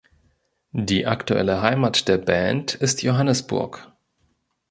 Die aktuelle Heimat der Band ist Johannesburg.